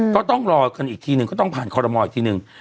ก็ต้องรอกันอีกทีหนึ่งก็ต้องผ่านคอรมอลอีกทีหนึ่ง